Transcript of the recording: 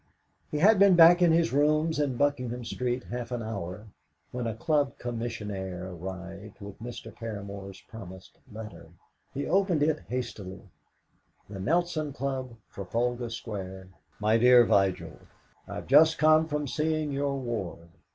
He had been back at his rooms in Buckingham Street half an hour when a club commissionaire arrived with Mr. Paramor's promised letter. He opened it hastily. "THE NELSON CLUB, "TRAFALGAR SQUARE. "MY DEAR VIGIL, "I've just come from seeing your ward.